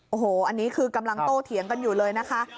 โอ้โหอันนี้คือกำลังโตเถียงกันอยู่เลยนะคะ